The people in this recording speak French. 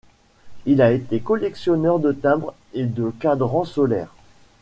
Il a été collectionneur de timbres et de cadrans solaires.